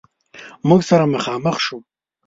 موږ سره مخامخ شو.